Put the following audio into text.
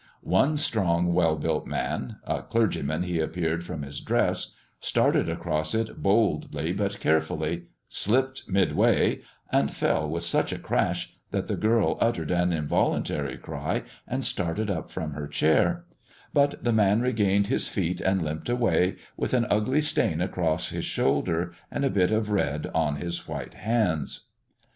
One strong, well built man a clergyman he appeared from his dress started across it boldly but carefully, slipped midway, and fell with such a crash that the girl uttered an involuntary cry and started up from her chair; but the man regained his feet and limped away, with an ugly stain across his shoulder and a bit of red on his white hands.